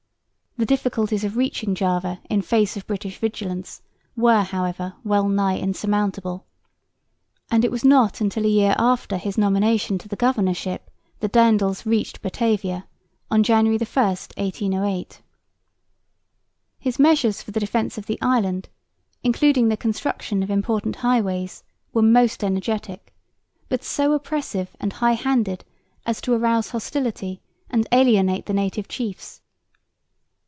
The difficulties of reaching Java in face of British vigilance were however well nigh insurmountable, and it was not until a year after his nomination to the governorship that Daendels reached Batavia, on January 1, 1808. His measures for the defence of the island, including the construction of important highways, were most energetic, but so oppressive and high handed as to arouse hostility and alienate the native chiefs.